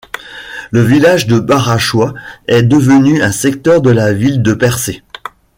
Le village de Barachois, est devenu un secteur de la ville de Percé.